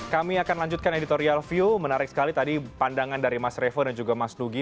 kami akan lanjutkan editorial view menarik sekali tadi pandangan dari mas revo dan juga mas nugi